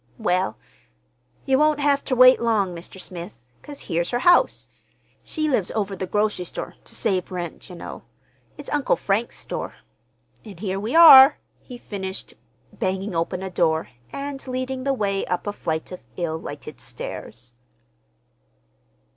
"Well, ye won't have ter wait long, Mr. Smith, 'cause here's her house. She lives over the groc'ry store, ter save rent, ye know. It's Uncle Frank's store. An' here we are," he finished, banging open a door and leading the way up a flight of ill lighted stairs.